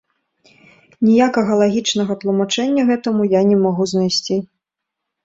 Ніякага лагічнага тлумачэння гэтаму я не магу знайсці.